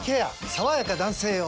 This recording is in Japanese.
さわやか男性用」